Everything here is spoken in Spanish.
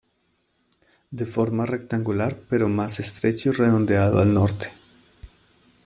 De forma rectangular pero más estrecho y redondeado al norte.